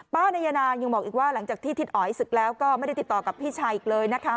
นายนางยังบอกอีกว่าหลังจากที่ทิศอ๋อยศึกแล้วก็ไม่ได้ติดต่อกับพี่ชายอีกเลยนะคะ